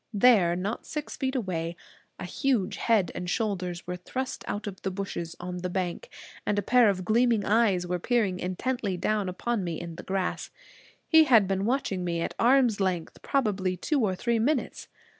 There, not six feet away, a huge head and shoulders were thrust out of the bushes on the bank, and a pair of gleaming eyes were peering intently down upon me in the grass. He had been watching me at arm's length probably two or three minutes.